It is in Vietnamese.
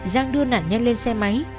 giang đưa nạn nhân lên xe máy